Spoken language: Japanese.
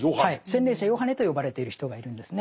洗礼者ヨハネと呼ばれている人がいるんですね。